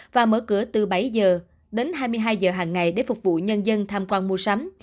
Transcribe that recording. và mở cửa từ bảy giờ đến hai mươi hai giờ hàng ngày để phục vụ nhân dân tham quan mua sắm